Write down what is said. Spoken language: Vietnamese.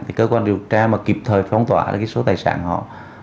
thì cơ quan điều tra mà kịp thời phóng tỏa ra số tài sản họ